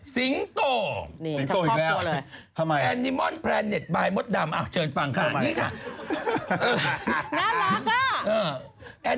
สิงโตที่มีแห่งปฏิบันตัว